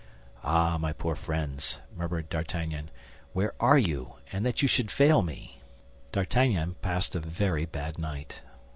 "Ah, my poor friends!" murmured D'Artagnan; "where are you? And that you should fail me!" D'Artagnan passed a very bad night.